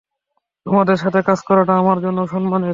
তোমাদের সাথে কাজ করাটা আমার জন্যও সম্মানের।